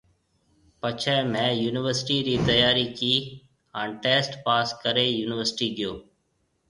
پچي مهيَ يونِيورسٽِي رِي تيارِي ڪِي هانَ ٽسٽ پاس ڪري يونِيورسٽِي گيو۔